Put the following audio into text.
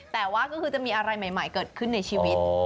แต่ว่าก็คือจะมีอะไรใหม่เกิดขึ้นในชีวิต